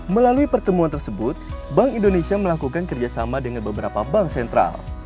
melalui pertemuan tersebut bank indonesia melakukan kerjasama dengan beberapa bank sentral